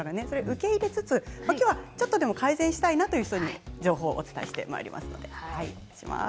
それを受け入れつつきょうはちょっとでも改善したいなという人に情報をお伝えしてまいります。